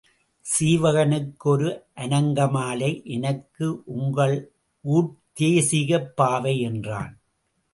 சீவகனுக்கு ஒரு அநங்கமாலை எனக்கு உங்கள் ஊர்த் தேசிகப் பாவை என்றான்.